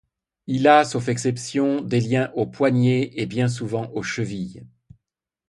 Il a, sauf exception, des liens aux poignets et bien souvent aux chevilles.